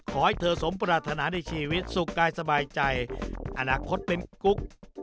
ขอให้เธอสมปรารถนาในชีวิตสุขกายสบายใจอนาคตเป็นกุ๊ก